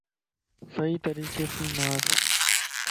صحيح طريقي سين نار